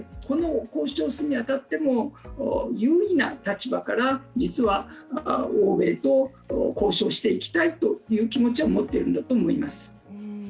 この交渉に当たっても、優位な立場から実は欧米と交渉していきたいという気持ちを持っているんだと思います。